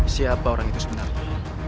siapa orang itu sebenarnya